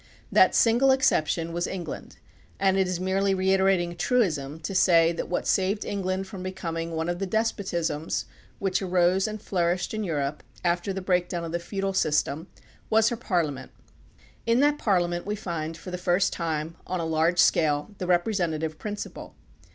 That single exception was England, and it is merely reiterating a truism to say that what saved England from becoming one of the despotisms which arose and flourished in Europe after the breakdown of the feudal system was her ParUa ment. In that Parliament we find for the first time, on a large scale, the representative principle.